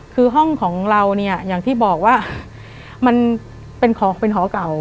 คือห้องของเราเนี่ยอย่างที่บอกว่ามันเป็นของเป็นหอเก่า